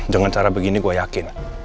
dengan cara begini gue yakin